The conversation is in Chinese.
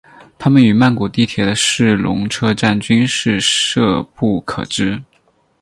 它们与曼谷地铁的是隆车站均是徙步可至。